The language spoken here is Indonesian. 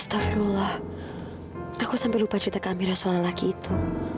astagfirullah aku sampe lupa cerita ke amira soal laki itu